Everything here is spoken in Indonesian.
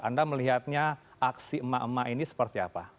anda melihatnya aksi emak emak ini seperti apa